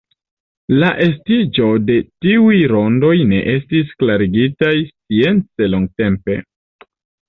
La estiĝo de tiuj rondoj ne estis klarigitaj science longtempe.